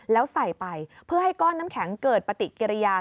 แล้วใส่ไปเพื่อให้ก้อนน้ำแข็งเกิดปฏิกิริยา